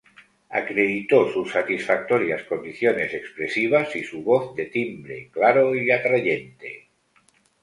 Acreditó sus satisfactorias condiciones expresivas y su voz, de timbre claro y atrayente.